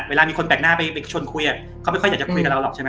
เวลามีคนแปลกหน้าไปชวนคุยเขาไม่ค่อยอยากจะคุยกับเราหรอกใช่ไหม